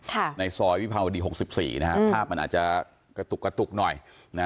ค่ะในซอยวีพรวดี๖๔นะฮะภาพอันอาจจะกะตุกหน่อยนะ